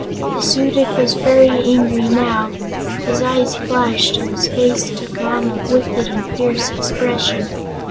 The Su dic was very angry now; his eyes flashed and his face took on a wicked and fierce expression.